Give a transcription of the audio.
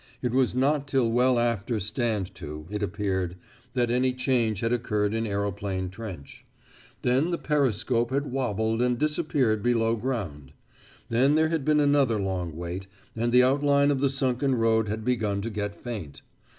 It was not till well after "stand to," it appeared, that any change had occurred in Aeroplane Trench. Then the periscope had wobbled and disappeared below ground. Then there had been another long wait, and the outline of the sunken road had begun to get faint.